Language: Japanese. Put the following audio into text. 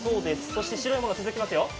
そして、白い物が続きます。